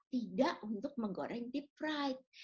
tidak untuk menggoreng deep fright